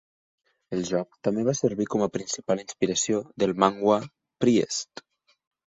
El joc també va servir com a principal inspiració del manhwa "Priest".